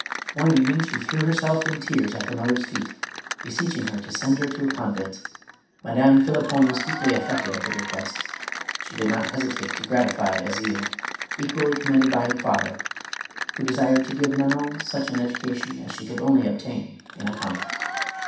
One evening she threw herself in tears at her J MADAME ROLAND. 477 mother's feet, beseeching her to send her to a convent. Madame Phlippon was deeply affected at the request. She did not hesitate to gratify a zeal, equally commend ed by the father, who desired to give Man on such an education as she could only obtain in a convent.